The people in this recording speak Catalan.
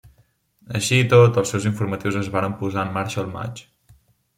Així i tot, els seus informatius es varen posar en marxa el maig.